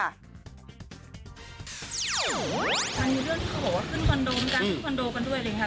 มันมีเรื่องของขึ้นคอนโดกันกันขึ้นคอนโดกันด้วยเลยค่ะ